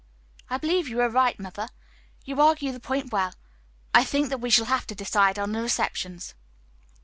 "I believe you are right, mother. You argue the point well. I think that we shall have to decide on the receptions."